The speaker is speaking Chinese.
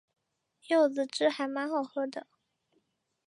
柚子汁还蛮好喝的